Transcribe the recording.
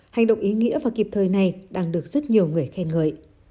hành động ý nghĩa và kịp thời này đang được rất nhiều người khen ngợi